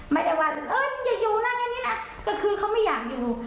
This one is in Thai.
ไม่ได้ว่าเอออย่าอยู่นะอันนี้นะก็คือเขาไม่อยากอยู่